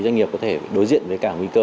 doanh nghiệp có thể đối diện với cả nguy cơ